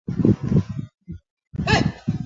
早年就读于武昌工业传习所。